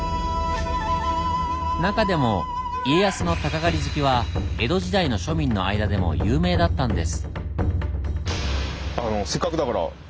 中でも家康の鷹狩り好きは江戸時代の庶民の間でも有名だったんです。